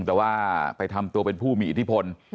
แต่ว่าไปทำตัวเป็นผู้มีอิทธิพล